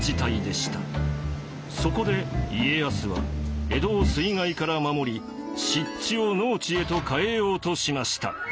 そこで家康は江戸を水害から守り湿地を農地へと変えようとしました。